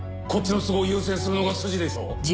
こっちの都合を優先するのが筋でしょう。